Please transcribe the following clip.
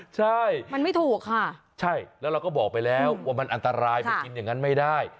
ใช่มันไม่ถูกค่ะใช่แล้วเราก็บอกไปแล้วว่ามันอันตรายไปกินอย่างนั้นไม่ได้